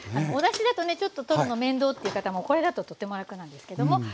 おだしだとねちょっととるの面倒っていう方もこれだととても楽なんですけども。